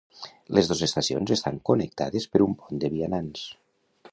Les dos estacions estan connectades per un pont de vianants.